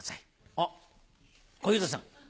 あっ小遊三さん。